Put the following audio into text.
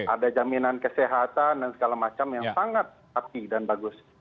ada jaminan kesehatan dan segala macam yang sangat api dan bagus